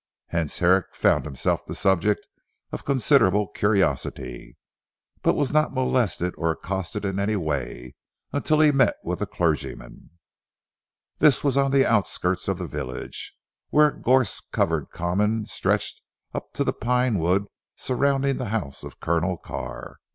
Hence Herrick found himself the subject of considerable curiosity, but was not molested or accosted in any way, until he met with a clergyman. This was on the outskirts of the village, where a gorse covered common stretched up to the pine wood surrounding the house of Colonel Carr.